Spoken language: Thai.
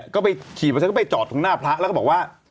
ก็ไปขี่ไปฉันก็ไปจอดตรงหน้าพระแล้วก็บอกว่า